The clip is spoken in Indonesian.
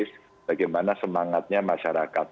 jadi bagaimana semangatnya masyarakat